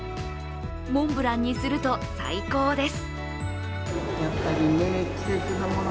モンブランにすると最高です。